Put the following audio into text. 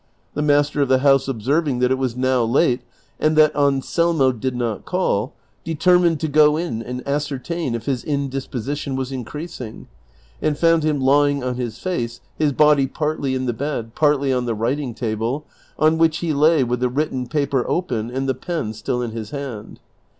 The master of the house ob serving that it was now late and that Anselmo did not call, determined to go in and ascertain if his indisjiosition was increasing, and found him lying on his face, his body i)artly in the bed, partly on the writing table, on which he lay with the written jjaper open and the l^en still in his hand.